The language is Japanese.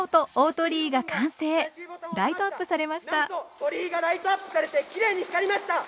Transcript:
・鳥居がライトアップされてきれいに光りました。